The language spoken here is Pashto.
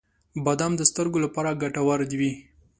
• بادام د سترګو لپاره ګټور وي.